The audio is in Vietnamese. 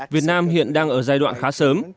việt nam hiện đang ở giai đoạn khá sớm